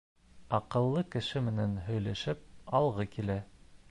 Аҡыллы кеше менән һөйләшеп алғы килә.